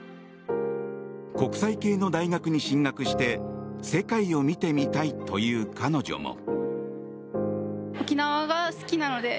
国際系の大学に進学して世界を見てみたいという彼女も。